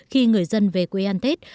khi người dân về quê an tết